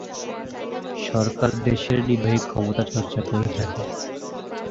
সরকার দেশের নির্বাহী ক্ষমতা চর্চা করে থাকে।